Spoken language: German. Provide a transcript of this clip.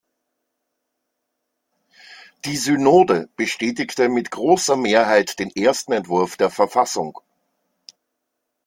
Die Synode bestätigte mit großer Mehrheit den ersten Entwurf der Verfassung.